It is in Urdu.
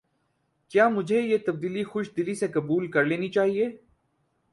کیا مجھے یہ تبدیلی خوش دلی سے قبول کر لینی چاہیے؟